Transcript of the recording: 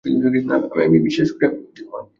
আমি বিশ্বাস করি।